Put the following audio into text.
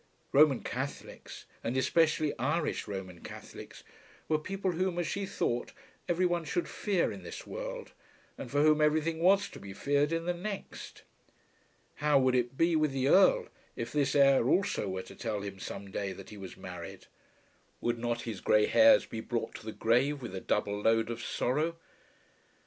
Roman Catholics, and especially Irish Roman Catholics, were people whom, as she thought, every one should fear in this world, and for whom everything was to be feared in the next. How would it be with the Earl if this heir also were to tell him some day that he was married? Would not his grey hairs be brought to the grave with a double load of sorrow?